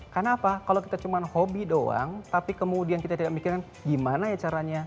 karena apa kalau kita cuma hobi doang tapi kemudian kita tidak mikirkan gimana ya caranya